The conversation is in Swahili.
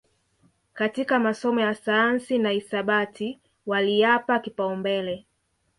katika masomo ya sayansi na hisabati waliyapa kipaumbele